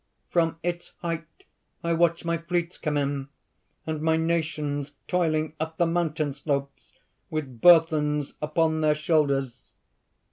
From its height I watch my fleets come in, and my nations toiling up the mountain slopes with burthens upon their shoulders.